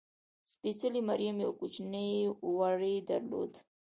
سپېڅلې مریم یو کوچنی وری درلود.